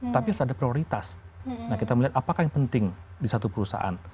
tapi harus ada prioritas nah kita melihat apakah yang penting di satu perusahaan